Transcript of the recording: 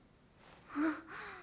あっ！